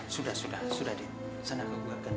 sudah sudah sudah din sana kau buka ganti baju